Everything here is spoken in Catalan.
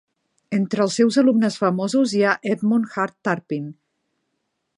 Entre els seus alumnes famosos hi ha Edmund Hart Turpin.